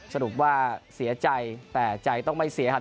สรุปว่าเสียใจแต่ใจต้องไม่เสียหัด